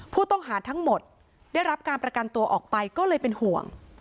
ผู้ต้องหาทั้งหมดได้รับการประกันตัวออกไปก็เลยเป็นห่วง